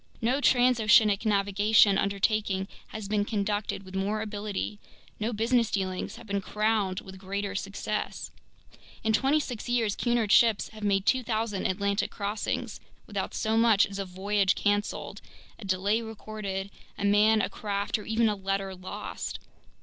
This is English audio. No transoceanic navigational undertaking has been conducted with more ability, no business dealings have been crowned with greater success. In twenty six years Cunard ships have made 2,000 Atlantic crossings without so much as a voyage canceled, a delay recorded, a man, a craft, or even a letter lost.